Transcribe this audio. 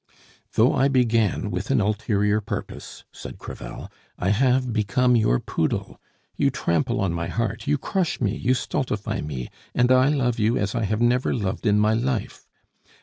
"Though I began with an ulterior purpose," said Crevel, "I have become your poodle. You trample on my heart, you crush me, you stultify me, and I love you as I have never loved in my life.